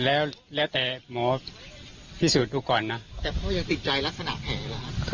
พ่อยังติดใจลักษณะแผลค่ะ